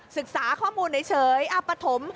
ศึกษาข้อมูลเฉยปฐม